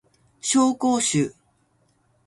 紹興酒